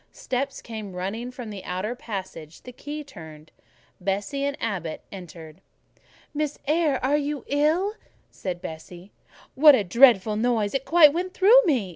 Steps came running along the outer passage; the key turned, Bessie and Abbot entered. "Miss Eyre, are you ill?" said Bessie. "What a dreadful noise! it went quite through me!"